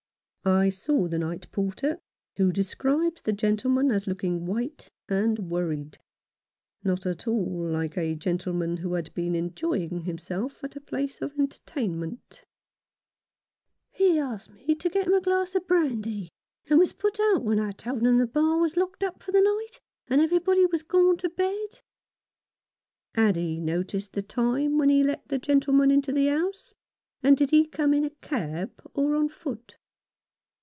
I saw the night porter, who described the gentleman as looking white and worried, not at all like a gentleman who had been enjoying himself at a place of entertainment. 125 Rough Justice . "He asked me to get him a glass of brandy, and was put out when I told him the bar was locked up for the night, and everybody was gone to bed." Had he noticed the time when he let the gentle man into the house ; and did he come in a cab or on foot